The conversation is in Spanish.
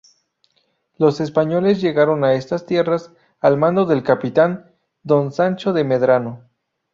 Los españoles llegaron a estas tierras al mando del capitán Don Sancho de Medrano.